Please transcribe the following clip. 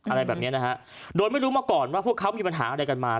อะไรแบบเนี้ยนะฮะโดยไม่รู้มาก่อนว่าพวกเขามีปัญหาอะไรกันมา